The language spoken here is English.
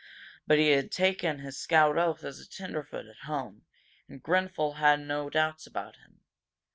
But he had taken his scout oath as a tenderfoot at home, and Grenfel had no doubts about him.